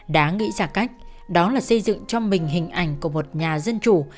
đã nghĩ ra cách đó là xây dựng cho mình hình ảnh của một nhà dân chủ